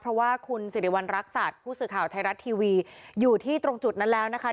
เพราะว่าคุณสิริวัณรักษัตริย์ผู้สื่อข่าวไทยรัฐทีวีอยู่ที่ตรงจุดนั้นแล้วนะคะ